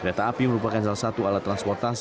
kereta api merupakan salah satu alat transportasi